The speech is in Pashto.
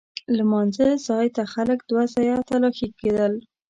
لمانځه ځای ته خلک دوه ځایه تلاښي کېدل.